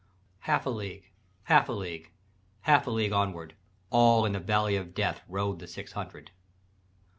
"Half a league, half a league, Half a league onward, All in the valley of Death Rode the six hundred.